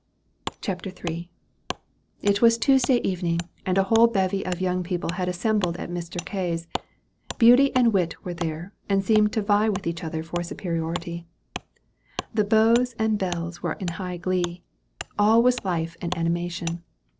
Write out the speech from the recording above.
CHAPTER III. It was Tuesday evening, and a whole bevy of young people had assembled at Mr. K.'s. Beauty and wit were there, and seemed to vie with each other for superiority. The beaux and belles were in high glee. All was life and animation.